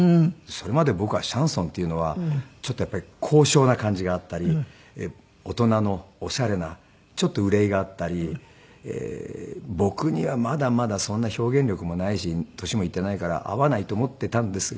それまで僕はシャンソンっていうのはちょっとやっぱり高尚な感じがあったり大人のオシャレなちょっと憂いがあったり僕にはまだまだそんな表現力もないし年もいっていないから合わないと思っていたんですが